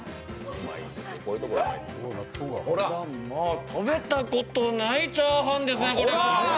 あらまあ、食べたことないチャーハンですね、これは！